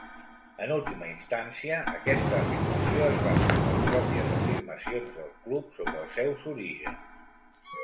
En última instància, aquesta afirmació es basa en les pròpies afirmacions del Club sobre els seus orígens.